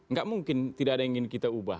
nggak mungkin tidak ada yang ingin kita ubah